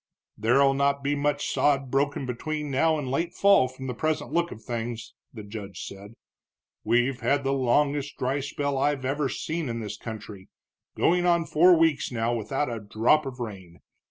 "There'll not be much sod broken between now and late fall, from the present look of things," the judge said. "We've had the longest dry spell I've ever seen in this country going on four weeks now without a drop of rain.